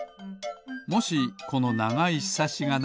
もしこのながいひさしがなかったら。